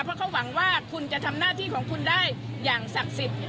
เพราะเขาหวังว่าคุณจะทำหน้าที่ของคุณได้อย่างศักดิ์สิทธิ์